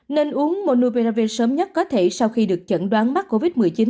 nên uống monopiravir sớm nhất có thể sau khi được chẩn đoán mắc covid một mươi chín